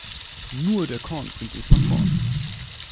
Nur der Korn bringt uns nach vorn!